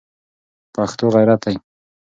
پښتو غیرت دی